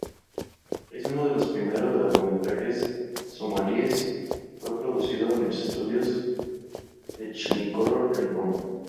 Uno de los primeros largometrajes somalíes, fue producido en los estudios Technicolor en Roma.